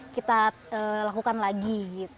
kita lakukan lagi